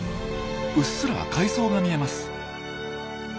うっすら海藻が見えます。